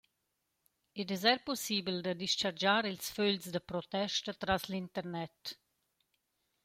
Id es eir pussibel da dis-chargiar ils fögls da protesta tras l’internet.